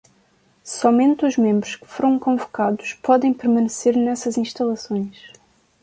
Somente os membros que foram convocados podem permanecer nessas instalações.